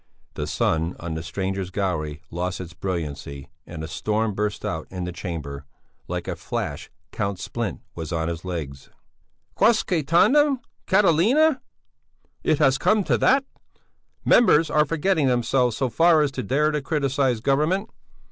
The sun on the strangers' gallery lost its brilliancy and a storm burst out in the Chamber. Like a flash Count Splint was on his legs: "Quosque tandem, Catilina! It has come to that! Members are forgetting themselves so far as to dare to criticize Government!